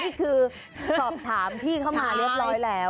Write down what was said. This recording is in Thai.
นี่คือสอบถามพี่เข้ามาเรียบร้อยแล้ว